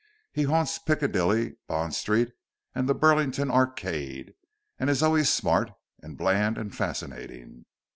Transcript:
He haunts Piccadilly, Bond Street and the Burlington Arcade, and is always smart, and bland, and fascinating.